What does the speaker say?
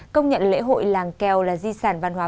công nhận lễ hội làng kèo là di sản văn hóa